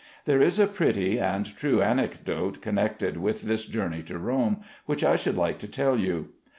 There is a pretty and true anecdote connected with this journey to Rome, which I should like to tell you.